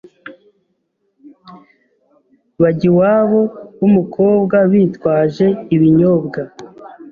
bajya iwabo w’umukobwa bitwaje ibinyobwa